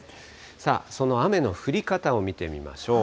さあ、その雨の降り方を見てみましょう。